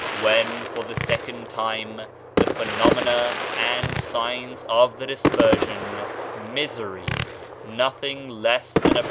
When for the second time the phenomena and signs of the dispersion, misery, nothing less than op * Quran xvi.